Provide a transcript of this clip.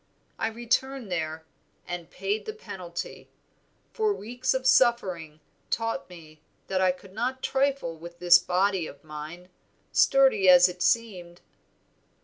I returned there, and paid the penalty; for weeks of suffering taught me that I could not trifle with this body of mine, sturdy as it seemed."